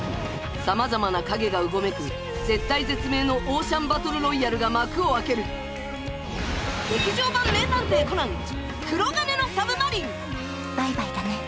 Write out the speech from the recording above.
さまざまな影がうごめく絶体絶命のオーシャンバトルロイヤルが幕を開ける劇場版バイバイだね